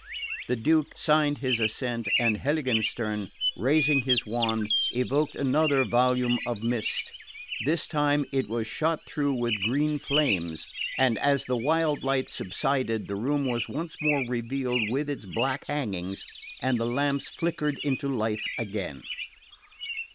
The Duke signed his assent, and Heiligenstern, raising his wand, evoked another volume of mist. This time it was shot through with green flames, and as the wild light subsided the room was once more revealed with its black hangings, and the lamps flickered into life again.